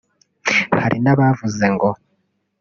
Hari n’abavuze ngo